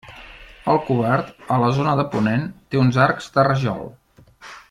El cobert, a la zona de ponent, té uns arcs de rajol.